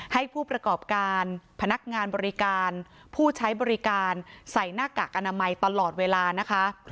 ให้ผู้ประกอบการพนักงานบริการผู้ใช้บริการใส่หน้ากากอนามัยตลอดเวลานะคะ